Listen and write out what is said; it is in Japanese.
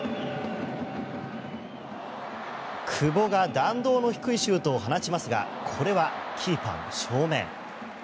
久保が弾道の低いシュートを放ちますがこれはキーパーの正面。